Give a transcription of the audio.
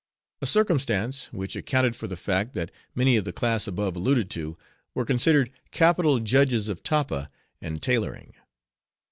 A circumstance, which accounted for the fact, that many of the class above alluded to, were considered capital judges of tappa and tailoring.